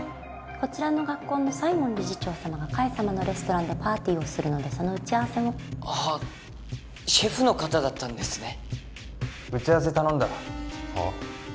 こちらの学校の西門理事長様が海様のレストランでパーティーをするのでその打ち合わせをあっシェフの方だったんですね打ち合わせ頼んだはっ？